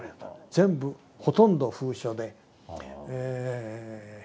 全部ほとんど封書でしたね。